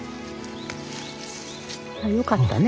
よかったね。